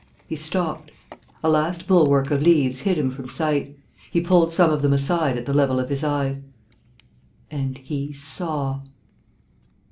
He stopped. A last bulwark of leaves hid him from sight. He pulled some of them aside at the level of his eyes. And he saw